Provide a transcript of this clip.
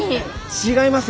違いますよ。